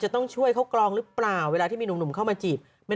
ต้องช่วยเขากรองหรือเปล่าเวลาที่มีหนุ่มเข้ามาจีบ